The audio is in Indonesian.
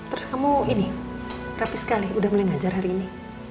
terus kamu ini rapi sekali udah mulai ngajar hari ini